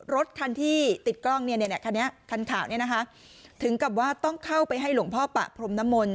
รถคันที่ติดกล้องคันขาวถึงกับว่าต้องเข้าไปให้หลวงพ่อปะพรมนมนต์